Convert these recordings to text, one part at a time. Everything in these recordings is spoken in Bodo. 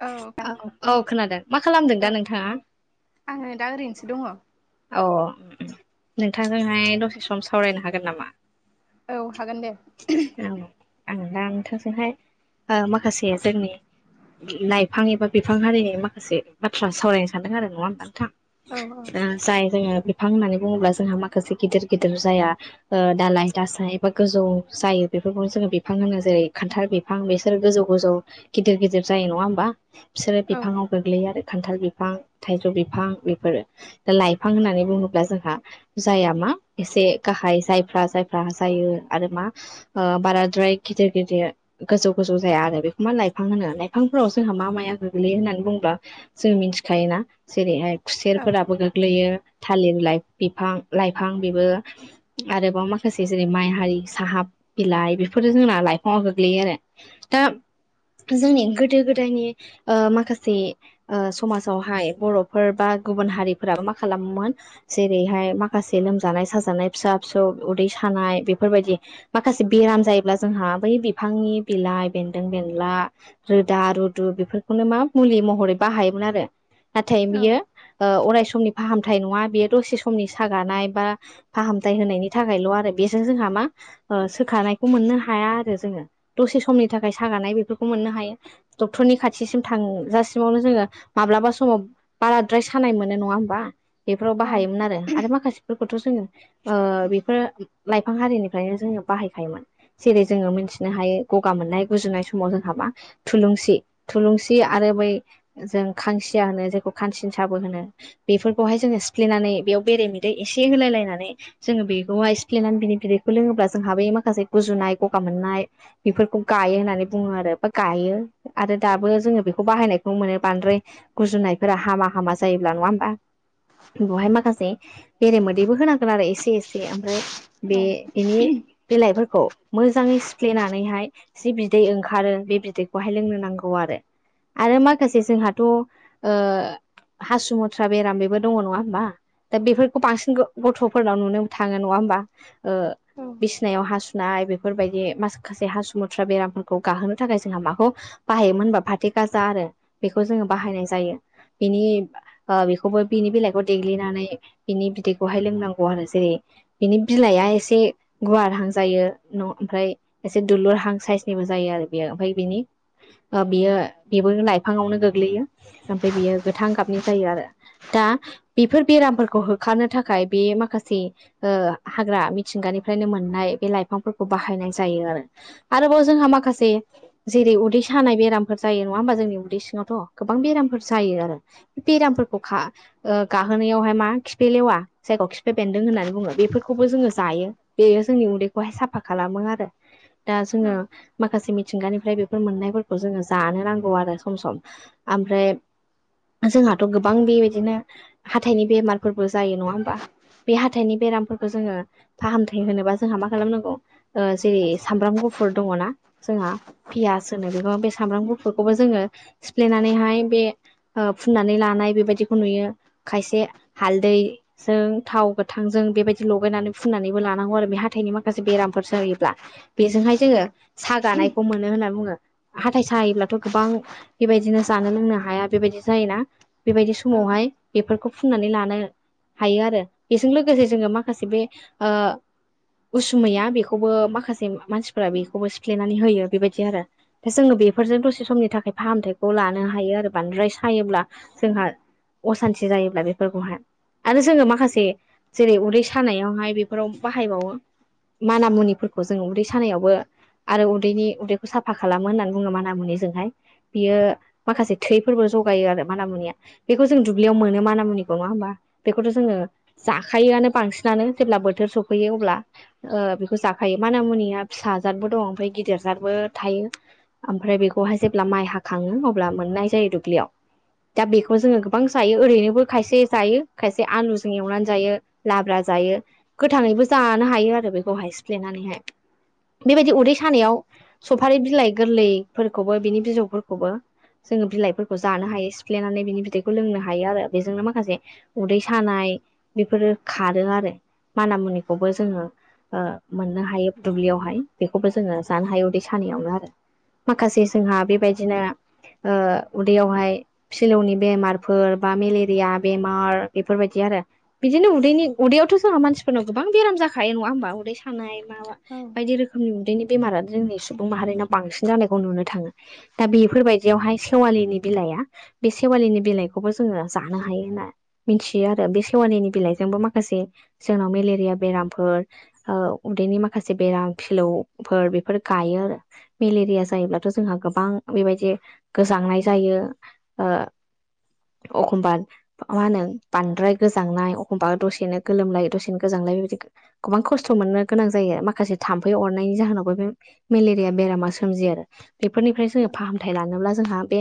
औ औ औ खोनादों। मा खालामदों औ दा नोंथाङा? आङो दा ओरैनोसो दङ अ उम उम नोंथांजोंहाय दसे सम सावरायनो हागोन नामा? औ हागोन दे। औ आं दा नोंथांजोंहाय ओ माखासे जोंनि लाइफां एबा बिफां हारिनि माखासे बाथ्रा सावरायनो सानदों आरो नङा होमबा नोंथां? औ ओ जाय जोङो बिफां होननानै बुङोब्ला जोंहा माखासे गेदेर गेदेर जाया। ओ दालाय दासाय एबा गोजौ जायो बेफोरखौनो जोङो बिफां होनो जेरै खान्थाल बिफ फां बेसोर गोजौ गोजौ गेदेर गेदेर जायो नङा होमबा बिसोरो औ बिफाङाव गोग्लैयो आरो। खान्थाल बिफां थाइजौ बिफां बेफोरो दा लाइफां होननानै बुङोब्ला जोंहा जाइया मा एसे गाहाय जायफ्रा जायफ्रा जायो आरो मा ओ बाराद्राय गेदेर गेदेर गोजौ गोजौ जाया आरो बेखौ मा लाइफां होनोलाय फांफोराव जोहा मा माया गोग्लैयो होननानै बुङोब्ला जों मिनथिखायोना जेरैहाय औ खुसेरफोराबो गोग्लैयो थालेर बिलाइ बिफां लाइफां बेबो आरोबाव माखासे जेरै माइ हारि साहा बिलाइ बेफोरो जोंना लाइफाङाव गोग्लैयो आरो। दा जोंनि गोदो गोदायनि ओ माखासे ओ समाजावहाय बर'फोर बा गुबुन हारिफोराबो मा खालामोमोन जेरैहाय माखासे लोमजानाय साजानाय फिसा फिसौ उदै सानाय बेफोरबायदि माखासे बेराम जायोब्ला जोंहा बै बिफांनि बिलाइ बेन्दों बेनला रोदा रुदु बेफोरखौनो मा मुलि महरै बाहायोमोन आरो। नाथाय औ बियो ओ अराय समनि फाहामथाय नङा बे दसे समनि सागानाय बा फाहामथाय होनायनि थाखायल' आरो बेजों जोंहा मा ओ सोखानायखौ मोननो हाया आरो जोङो दसे समनि थाखाय सागानाय बेफोरखौ मोननो हायो। डक्टरनि खाथिसिम थांजासिमावनो जोङो माब्लाबा समाव बाराद्राय सानाय मोनो नङा होमबा? बेफोराव औ बाहायोमोन आरो आरो माखासेफोरखौथ' जोङो ओ बेफोरो लाइफां हारिनिफ्रायनो जोङो बाहायखायोमोन। जेरै जोङो मिनथिनो हायो गगा मोननाय गुजुनाय समाव जोंहा मा थुलुंसि थुलुंसि आरो बै जों खांसिया होनो जायखौ खांसिनसाबो होनो। बेफोरखौहाय जोङो सिफ्लेनानै बेयाव बेरे मेदै एसे होलाय लायनानै जोङो बेखौहाय सिफ्लेनानै बिनि बिदैखौ लोङोब्ला जोंहा बै माखासे गुजुनाय गगा मोननाय बेफोरखौ गायो होननानै बुङो आरो बा गायो। आरो दाबो जोङो बेखौ बाहायनायखौ मोनो बानद्राय गुजुनायफोरा हामा हामा जायोब्ला नङा होमबा? बहाय माखासे बेरे मोदैबो होनांगोन आरो एसे एसे ओमफ्राय बे औ बिनि बिलाइफोरखौ मोजाङै सिफ्लेनानैहाय जि बिदै ओंखारो बे बिदै खौहाय लोंनो नांगौ आरो आरो माखासे जोंहाथ' ओ हासु मुथ्रा बेराम बेबो दङ नङा होमबा दा बेफोरखौ बांसिन गथ'फोरनाव नुनो थाङो नङा ओमबा बिसिनायाव हासु नाय बेफोरबायदि माखासे हासुुमुथ्रा बेरामफोरखौ गाहोनो थाखाय जोंहा माखौ माखौ बाहायोमोन होनबा फाथै गाजा आरो बेखौ जोङो बाहायनाय जायो बेनि ओ बेखौबो बिनि बिलाइखौ देग्लिनानै बिनि बिदैखौहाय लोंनांगौ आरो जेरै बिनि बिलाइआ एसे गुवारहां जायो न‌ ओमफ्राय एसे दुलुर हां साइसनिबो जायो आरो बेयो ओमफ्राय बिनि साबलाइखौबो बियो बेबो लाइफाङावनो गोग्लैयो ओमफ्राय बियो गोथां गाबनि जायो आरो दा बेफोर बेरामफोरखौ होखारनो थाखाय बे माखासे ओ हाग्रा मिथिंगानिफ्रायनो मोननाय बे लाइफांफोरखौ बाहायनाय जायो आरो। आरोबाव जोंहा माखासे जेरै उदै सानाय बेरामफोर जायो नङा ओमबा जोंनि उदै सिङावथ' गोबां बेरामफोर जायो आरो। बेरामफोरखौ गा गाहोनायावहाय मा खिफिलेवा जायगायाव खिफि बेन्दों होननानै बुङो बेफोरखौबो जोङो जायो। बेयो जोंनि उन्दैखौहाय साफा खालामो आरो दा जोङो माखासे मिथिंगानिफ्राय बे बे मोननायफोरखौ जोङो जानो नांगौ आरो सम सम ओमफ्राय जोंहाथ' गोबां बेबायदिनो हाथाइनि बेमारफोरबो जायो नङा होमबा बे हाथायनि बेरामफोरखौ जोङो फाहामथाय होनोबा जो जोंहा मा खालामनांगौ ओ जेरै सामब्राम गुफुर दङना जोंहा पियास होनो बेखौ बेसे सामब्राम गुफुरखौबो जोङो सिफ्लेनानैहाय बे समाव फुननानै लानाय बेबायदिखौ नुयो खायसे हालदै जों थाव गोथांजों बेबायदि लगायनानै फुननानैबो लानांगौ आरो बे हाथाइनि माखासे बेरामफोर जायोब्ला बेजोंहाय जोङो सागानायखौ मोनो होनना बुङो। हाथाय सायोब्लाथ' गोबां बेबायदिनो जानो लोंनो हाया बेबायदि जायोना बेबायदि समावहाय औ बेफोरखौ फुननानै लानो हायो आरो बेजों लोगोसे जोङो माखासे बे ओ उसुमैया बेखौबो माखासे मानसिफोरा बेखौबो सिफ्लेनानै होयो बेबाय दि आरो ओमफ्राय जोङो बेफोरजों दसे समनि थाखाय फाहामथायखौ लानो हायो आरो बांद्राय सायोब्ला जोंहा असान्थि जायोब्ला बेफोरखौहाय आरो जोङो माखासे जेरै उदै सानायावहाय बेफोराव बाहायबावो माना मुनिफोरखौ जों उदै सानायावबो आरो उदैनि उदै साफा खालामो होननानै बुङो माना मुनिजोंहाय बियो माखासे थैफोरबो जगायो आरो माना मुनिया बेखौ जों दुब्लियाव मोनो माना मुनिखौ नङा होमबा बेखौथ' जोङो जाखायोआनो बांसिनानो जेब्ला बोथोर सफैयो अब्ला ओ बेखौ जाखायो माना मुनिया फिसा जादबो दं ओमफ्राय गिदिर जादबो थायो ओमफ्राय बेखौहाय जेब्ला माइ हाखाङो अब्ला मोननाय जायो दुब्लियाव दा बेखौनो जोङो गोबां जायो ओरैनोबो खायसे जायो खायसे आलुजों एवनानै जायो लाब्रा जायो गोथाङैबो जानो हायो आरो बेखौहाय सिफ्लेनानैहाय बेबायदि उदै सानायाव सफारि बिलाइ गोरलैफोरखौबो बिनि बिजौफोरखौबो जोङो बिलाइफोरखौ जानो हायो सिफ्लेनानै बिनि बिदैखौ लोंनो हायो आरो बेजोंनो माखासे उदै सानाय बेफोरो खारो आरो माना मुनिखौबो जोङो ओ मोननो हायो दुब्लियावहाय बेखौबो जोङो जानो हायो उदै सानियावनो आरो माखासे जोंहा बेबायदिनो ओ उदैयावहाय फिलौनि बेमारफोर बा मेलेरिया बेमार बेफोरबायदि आरो बिदिनो उदैनि उदैयावथ' जोंहा मानसिफोरनाव गोबां बेराम जाखायो नंङा ओमबा उदै सानाय माबा औ बायदि रोखोमनि उन्दैनि बेमारा जोंनि सुबुं माहारिनाव बांसिन जानायखौ नुनो थाङो। दा बेफोरबायदियावहाय सेवालिनि बिलाइआ बे सेवालिनि बिलाइखौबो जोंङो जानो हायो ना मिथियो आरो बे सेवानिनि बिलाइजोंबो माखासे जोंनाव मेलेरिया बेरामफोर औ उदैनि माखासे बेराम फिलौफोर बेफोर गायो आरो मेलेरिया जायोब्लाथ' जोंहा गोबां बेबायदि गोजांनाय जायो ओ अखमबार मा होनो बांद्राय गोजांनाय अखमबा दसेनो गोलोमलाय दसेनो गोजांलाय बेबायदि गोबां खस्थ' मोननो गोनां जायो माखासे थाम्फै अरनायनि जाहोनावबो बे मेलेरिया बेरामा सोमजियो आरो बेफोरनिफ्राय जोङो फाहामथाय लानोब्ला जोंहा बे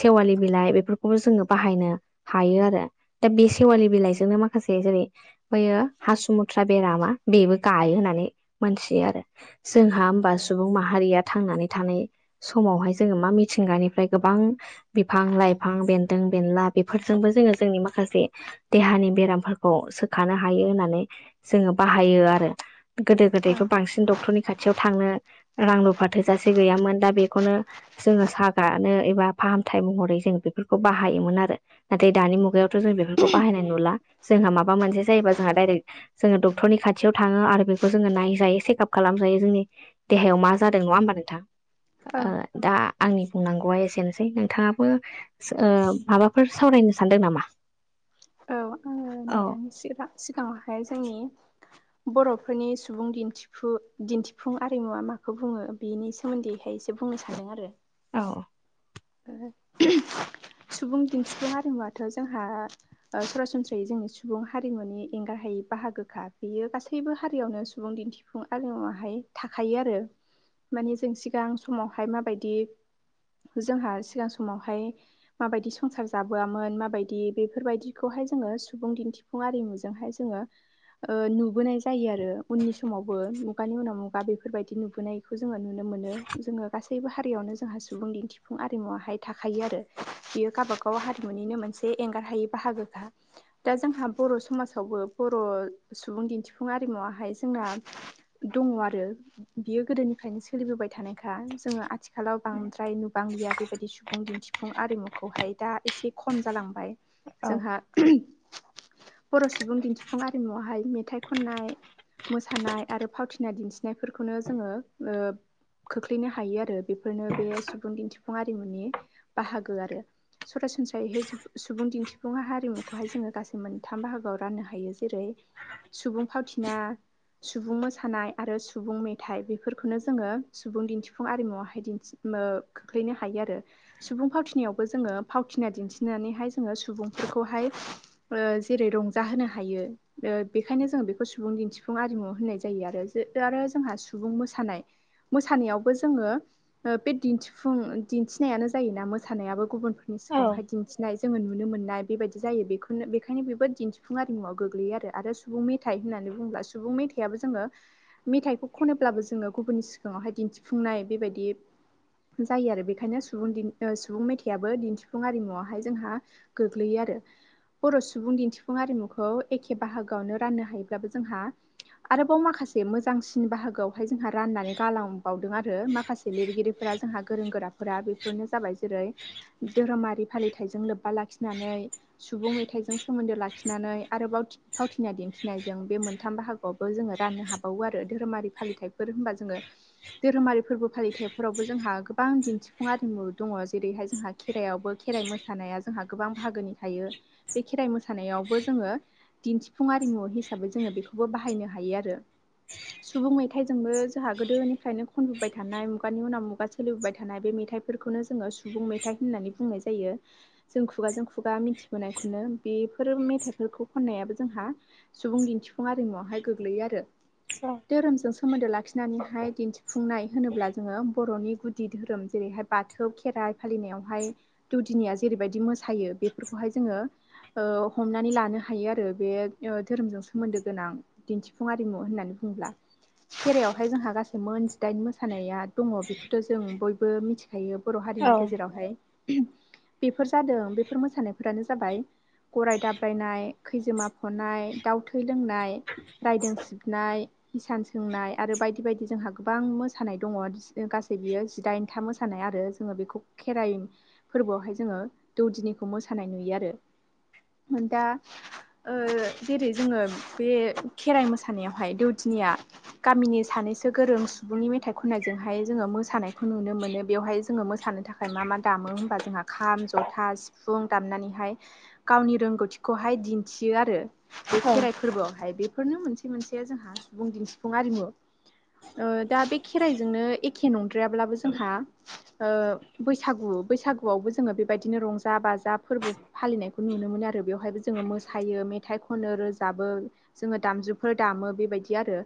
सेवालि बिलाइ बेफोर खौबो जोङो बाहायनो हायो आरो दा बे सेवालि बिलाइजोंनो माखासे जेरै बैयो हासुुमुथ्रा बेरामा बेबो गायो होननानै मोनथियो आरो जोंहा होनबा सुबुं माहारिया थांनानै थानाय समावहाय जोङो मा मिथिंगानिफ्राय गोबां बिफां लाइफां बेन्दों बेनला बेफोरजोंबो जोङो जोंनि माखासे देहानि बेरामफोरखौ सोखानो हायो होननानै जोङो बाहायो आरो गोदो गोदायथ' बांसिन डक्टरनि खाथियाव थांनो रां रुफा थोजासे गैयामोन दा बेखौनो जोङो सागानो एबा फाहामथाय महरै जों बेफोरखौ बाहायोमोन आरो नाथाय दानि मुगायावथ' जों बेफोरखौ बाहायनाय नुला जोंहा माबा मोनसे जायोबा जोंहा डाइरेक जोङो डक्टरनि खाथियाव थाङो आरो बेखौ जोङो नायजायो चेकआप खालामजायो जोंनि देहायाव मा जादों नङा होमबा नोंथां औ ओ दा आंनि बुंनांगौआ एसेनोसै नोंथाङाबो ओ माबाफोर सावरायनो सानदों नामा? औ आङो औ नोंथांनि सिगां-सिगाङावहाय जोंनि बर'फोरनि सुबुं दिन्थि फुं दिन्थिफुं आरिमुवा माखौ बुङो बेनि सोमोन्दैहाय एसे बुंनो सान्दों आरो औ [unintelligible] सुबुं दिन्थिफुं हारिमुवाथ' जोंहा ओ सरासनस्रायै जोंनि सुबुं हारिमुनि एंगारहायै बाहागोखा बेयो गासैबो हारियावनो सुबुं दिन्थि फुं आरिमुवाहाय थाखायो आरो माने जों सिगां समावहाय माबायदि जोंहा सिगां समावहाय माबायदि संसार जाबोआमोन माबायदि बेफोरबायदिखौहाय जोङो सुबुं दिन्थि फुं आरिमुजोंहाय जोङो ओ नुबोनाय जा यो आरो उननि समावबो मुगानि उनाव मुगा बे फोरबायदि नुबोनायखौ जोङो नुनो मोनो जोङो गासैबो हारियावनो जोंहा सुबुं दिन्थि फुं आरिमुवाहाय थाखायो आरो बियो गावबागाव हारिमुनिनो मोनसे एंगारहायै बाहागोखा दा जोंहा बर' समाजावबो बर' सुबुं दिन्थिफुं आरिमुवाहाय जोंना दङ आरो बियो गोदोनिफ्रायनो सोलिबोबाय थानायखा जोङो आथिखालाव बांद्राय नुबांलिया बेबायदि सुबुं दिन्थिफुं आरिमुखौहाय दा एसे खम जालांबाय जोंहा [unintelligible] बर' सुबुं दिन्थिफुं आरिमुआवहाय मेथाइ खननाय मोसानाय आरो फावथिना दिन्थिनायफोरखौनो जोङो ओ खोख्लैनो हायो आरो बेफोरनो बे सुबुं दिन्थिफुं आरिमुनि बाहागो आरो सरासनस्रायैहाय सुबुं दिन्थिफुं हारिमुखौहाय जोङो गासै मोनथाम बाहागोआव राननो हायो जेरै सुबुं फावथिना सुबुं मोसानाय आरो सुबुं मेथाइ बेफोरखोनो जोङो सुबुं दिन्थिफुं आरिमुवावहाय दिन्थि ओ खोख्लैनो हायो आरो सुबुं फावथिनायावबो जोङो फावथिना दिन्थिनानैहाय जोङो सुबुंफोरखौहाय ओ जेरै रंजाहोनो हायो ओ बेखायनो जोङो बेखौ सुबुं दिन्थिफुं आरिमु होननाय जायो आरो आरो जोंहा सुबुं मोसानाय मोसानायावबो जोङो ओ बे दिन्थि फुं दिन्थिनायानो जायोना मोसानायाबो गुबुनफोरनि औ सिगाङावहाय दिन्थिनाय जोङो नुनो मोननाय बेबाय जायो बेखौनो बेखायनो बेबो दिन्थिफुं आरिमुआव गोग्लैयो आरो सुबुं मेथाइ होननानै बुङोब्ला सुबुं मेथाइ मेथाइयाबो जोङो मेथाइखौ खनोब्लाबो जोङो गुबुननि सिगाङावहाय दिन्थिफुंनाय बेबायदि जायो आरो बेखायनो सुबुं दिन‌ ओ सुबुं मेथाइयाबो दिन्थिफुं आरिमुआवहाय जोंहा गोग्लैयो आरो। बर' सुबुं दिन्थिफुं आरिमुखौ एखे बाहागोआवनो राननो हायोब्लाबो जोंहा आरोबाव माखासे मोजांसिन बाहागोआव हाय जोंहा रानानै गांलांबावदों आरो माखासे लिरगिरिफोरा जोंहा गोरों गोराफोरा‌। बेफोरनो जाबाय जेरै धोरोमारि फालिथायाइजों लोब्बा लाखिनानै सुबुं मेथाइजों सोमोन्दो लाखिनानै आरोबाव फावथिना दिन्थिनायजों बे मोनथाम बाहागोआवबो जोङो राननो हाबावो आरो धोरोमारि फालिथायफोर होनबा जोङो धोरोमारि फोरबो फालिथायफोराव बो जोंहा गोबां दिन्थिफुं आरिमु दङ जेरैहाय जोंहा खेराइयावबो खेराइ मोसानाया जोंहा गोबां बाहागोनि थायो। बे खेराइ मोसानायावबो जोङो दिन्थिफुं आरिमु हिसाबै जोङो बेखौबो बाहायनो हायो आरो। सुबुं मेथाइजोंबो जाहा गोदोनिफ्रायनो खनबोबाय थानाय मुगानि उनाव मु‌ बा सोलिबोबाय थानाय बे मेथाइफोरखौनो जोङो सुबुं मेथाइ होननानै बुंनाय जायो। जों खुगाजों खुगा मिथिबोनायखौनो बेफोर मेथाइफोरखौ खननायाबो जोंहा सुबुं दिन्थिफुं आरिमुआवहाय गोग्लैयो आरो। धोरोमजों सोमोन्दो लाखिनानैहाय दिन्थिफुंनाय होनोब्ला जोङो बर'नि गुदि दोहोरोम जेरैहाय बाथौ खेराइ फालिनायावहाय दौदिनिया जेरैबायदि मोसायो बेफोरखौहाय जोङो ओ हमनानै लानो हायो आरो बे ओ धोरोमजों सोमोन्दो गोनां। दिन्थिफुं आरिमु होननानै बुङोब्ला खेरायावहाय जोंहा गासै मोन जिदाइन मोसानाया दङ बेखौथ' जों बयबो मिथिखायो बर' हारिनि औ गेजेरावहाय। बेफोर जादों बेफोर मोसानायफोरानो जाबाय गराय दाब्रायनाय, खैजोमा फ'नाय, दाउ थै लोंनाय, रायदों सिबनाय, हिसान सोंनाय आरो बायदि बायदि जोंहा गोबां मोसानाय दङ। गासै बियो जिदाइनथा मोसानाय आरो जोङो बेखौ खेराइ फोरबोआवहाय जोङो दौदिनिखौ मोसानाय नुयो आरो। दा ओ जेरै जोङो बे खेराइ मोसानायावहाय दौदिनिया गामिनि सानैसो गोरों सुबुंनि मेथाइ खननायजों बेवहाय जोङो मोसानायखौ नुनो मोनो बेवहाय जोङो मोसानो थाखाय मा मा दामो होमबा जोंहा खाम, ज'था, सि फुं दामनानैहाय गावनि रोंगौथिखौहाय दिन्थियो आरो बे खेराइ फोरबोआवहाय। बेफोरनो मोनसे मोनसे जोंहा सुबुं दिन्थिफुं आरिमु। ओ दा बे खेराइजोंनो एखे नंद्रायाब्लाबो जोंहा ओ बैसागु बैसागुआवबो जोङो बेबायदिनो रंजा बाजा फोरबो फालिनायखौ नुनो मोनो आरो। बेवहायबो जोङो मोसायो, मेथाइ खनो, रोजाबो जोङो दामजुफोर दामो बेबायदि आरो।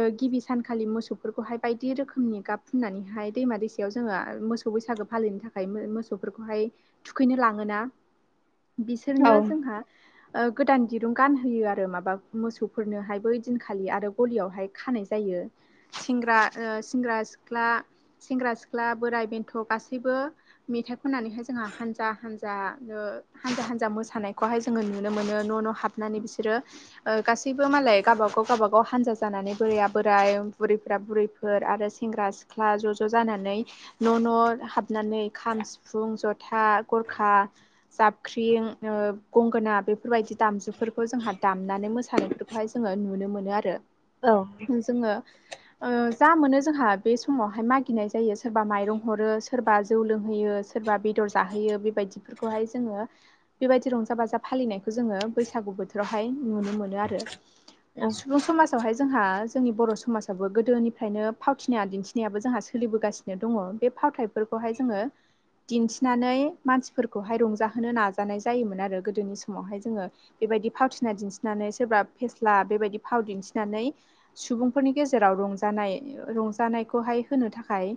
ओ गिबि सानखालि मोसौफोरखौहाय बायदि रोखोमनि गाब फुननानैहाय दैमा दैसायाव जोङा मोसौ बैसागो फालिनो थाखाय मो-मोसौफोरखौहाय थुखैनो लाङोना औ बिसोरनो जोंहा ओ गोदान दिरुं गानहोयो आरो माबा मोसौफोरनोहाय बैदिनखालि आरो गलियावहाय खानाय जायो। सेंग्रा ओ सेंग्रा सिख्ला सेंग्रा सिख्ला बोराय बेन्थ' गासैबो मेथाइ खननानैहाय जोंहा हानजा हानजा ओ हानजा हानजा मोसानायखौहाय जोङो नुनो मोनो न' न' हाब नानै बिसोरो ओ गासैबो मालाय गावबागाव गावबागाव हानजा जानानै बोराया बोराय बुरैफोरा बुरैफोर आरो सेंग्रा सिख्ला ज' ज' जानानै न' न' हाबनानै खाम सिफुं जथा गरखा जाबख्रिं ओ गंगोना बेफोरबायदि दामजुफोरखौ जोंहा दामनानै मोसानायफोरखौहाय जोङो नुनो मोनो आरो। औ। जोङो ओ जा मोनो जोंहा। बे समावहाय मागिनाय जायो सोरबा माइरं हरो सोरबा जौ लोंहोयो सोरबा बेदर जाहोयो बेबायदि। खौहाय जोङो। बेबायदि रंजा बाजा फालिनायखौ जोङो बैसागु बोथोरावहाय नुनो मोनो आरो। औ औ सुबुं समाजावहाय जोंहा जोंनि बर' समाजाबो गोदोनिफ्रायनो फावथि नाय दिन्थिनायाबो जोंहा सोलिबोगासिनो दङ बे फावथायाइफोरखौहाय जोङो। दिन्थिनानै मानसिफोरखौहाय रंजाहोनो नाजानाय जायोमोन आरो गोदोनि समावहाय जोङो। बेबायदि फावथिना दिन्थिनानै सोरबा फेस्ला बेबायदि फाव दिन्थिनानै। सुबुंफोरनि गेजेराव रंजानाय रंजानायखौहाय होनो थाखाय।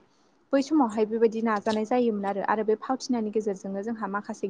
बै समावहाय बेबायदि नाजानाय जायोमोन आरो बे फावथिनानि गेजेरजोंनो जोंहा माखासे।